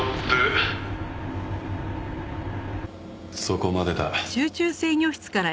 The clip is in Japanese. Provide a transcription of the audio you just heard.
そこまでだ。